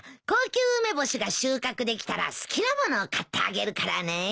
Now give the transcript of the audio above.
高級梅干しが収穫できたら好きなものを買ってあげるからね。